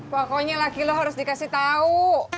pokoknya laki lo harus dikasih tau